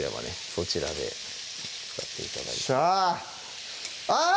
そちらでやって頂いてよっしゃあぁ！